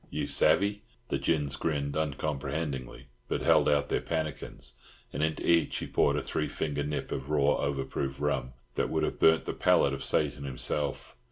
You savvy?" The gins grinned uncomprehendingly, but held out their pannikins, and into each he poured a three finger nip of raw overproof rum that would have burnt the palate of Satan himself.